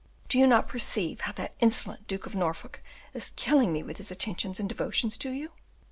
Do you not perceive how that insolent Duke of Norfolk is killing me with his attentions and devotions to you?"